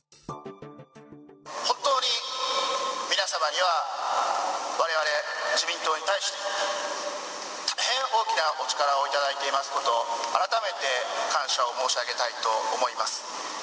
本当に皆様には、われわれ自民党に対して、大変大きなお力を頂いていますこと、改めて感謝を申し上げたいと思います。